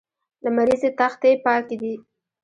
لمریزې تختې پاکې دي.